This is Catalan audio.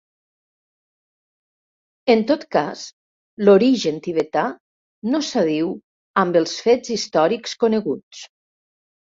En tot cas l'origen tibetà no s'adiu amb els fets històrics coneguts.